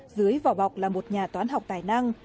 dưới vỏ bọc là một nhà toán học tài năng